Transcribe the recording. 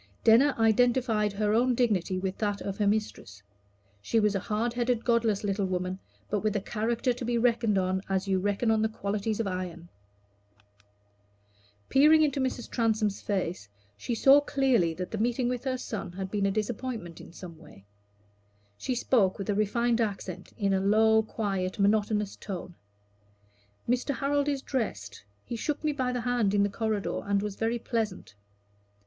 Denner identified her own dignity with that of her mistress. She was a hard headed godless little woman, but with a character to be reckoned on as you reckon on the qualities of iron. Peering into Mrs. Transome's face she saw clearly that the meeting with the son had been a disappointment in some way. She spoke with a refined accent, in a low quick, monotonous tone "Mr. Harold is dressed; he shook me by the hand in the corridor, and was very pleasant."